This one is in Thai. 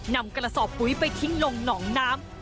นำกระสอบปุ๋ยไปทิ้งลงหนองน้ำ